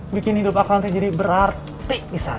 bikin hidup akal nanti jadi berarti pisan